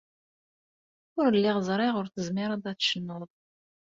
Ur lliɣ ẓriɣ ur tezmireḍ ad tecnuḍ.